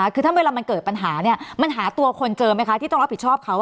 คือถ้าเวลามันเกิดปัญหาเนี่ยมันหาตัวคนเจอไหมคะที่ต้องรับผิดชอบเขา